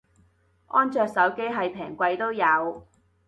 安卓手機係平貴都有